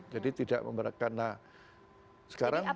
jadi tidak karena sekarang